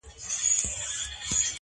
دوهم ځل او دريم ځل يې په هوا كړ؛